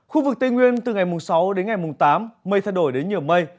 khu vực tây nguyên từ ngày sáu đến ngày mùng tám mây thay đổi đến nhiều mây